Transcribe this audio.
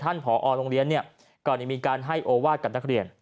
ท่านพอโรงเรียนก่อนอีกมีการให้โอวาทกับนักเรียน